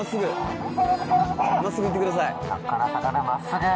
真っすぐ行ってください。